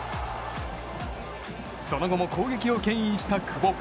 その後も攻撃を牽引した久保。